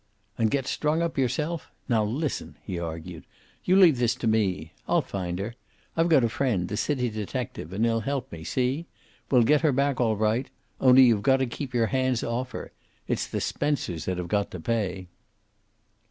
"And get strung up yourself! Now listen?" he argued. "You leave this to me. I'll find her. I've got a friend, a city detective, and he'll help me, see? We'll get her back, all right. Only you've got to keep your hands off her. It's the Spencers that have got to pay."